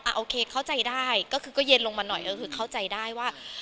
โอเคเข้าใจได้ก็คือก็เย็นลงมาหน่อยก็คือเข้าใจได้ว่า